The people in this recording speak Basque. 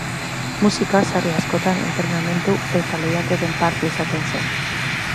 Musika, sarri askotan, entrenamendu eta lehiaketen parte izaten zen.